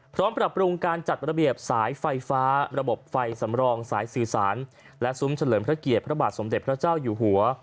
ปรับปรุงการจัดระเบียบสายไฟฟ้าระบบไฟสำรองสายสื่อสารและซุ้มเฉลิมพระเกียรติพระบาทสมเด็จพระเจ้าอยู่หัว